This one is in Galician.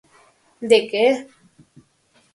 ¿De que?